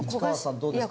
どうですか？